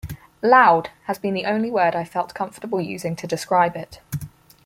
'Loud' has been the only word I've felt comfortable using to describe it.